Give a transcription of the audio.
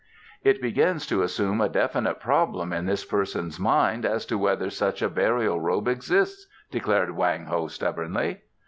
"It begins to assume a definite problem in this person's mind as to whether such a burial robe exists," declared Wang Ho stubbornly.